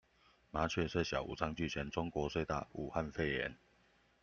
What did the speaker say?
麻雀雖小，五臟俱全；中國雖大，武漢肺炎